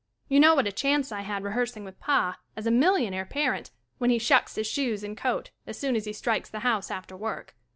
You know what a chance 1 had rehears ing with Pa as a millionaire parent when he shucks his shoes and coat as soon as he strikes the house after work.